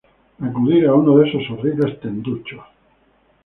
acudir a uno de esos horribles tenduchos